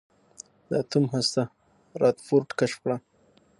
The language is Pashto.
د اتوم هسته رادرفورډ کشف کړه.